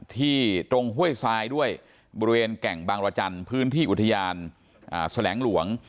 ตรงห้วยทรายด้วยบริเวณแก่งบางรจันทร์พื้นที่อุทยานแสลงหลวง